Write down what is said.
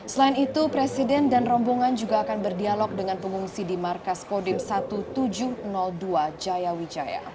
selain itu presiden dan rombongan juga akan berdialog dengan pengungsi di markas kodim seribu tujuh ratus dua jaya wijaya